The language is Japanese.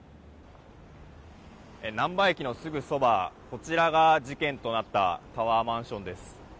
なんば駅のすぐそばこちらが事件となったタワーマンションです。